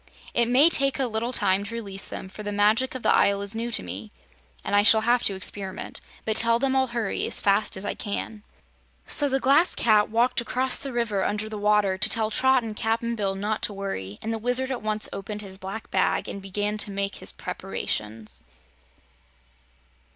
It may take a little time to release them, for the Magic of the Isle is new to me and I shall have to experiment. But tell them I'll hurry as fast as I can." So the Glass Cat walked across the river under the water to tell Trot and Cap'n Bill not to worry, and the Wizard at once opened his black bag and began to make his preparations.